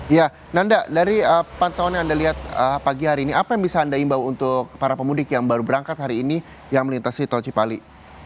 ya nanda dari pantauan yang anda lihat pagi hari ini apa yang bisa anda imbau untuk para pemudik yang baru berangkat hari ini yang melintasi tol cipali